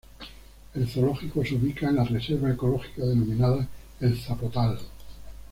El zoológico se ubica en la reserva ecológica denominada "El Zapotal".